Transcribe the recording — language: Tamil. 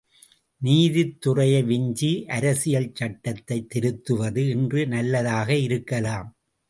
நீதித்துறையை விஞ்சி அரசியல் சட்டத்தைத் திருத்துவது இன்று நல்லதாக இருக்கலாம்.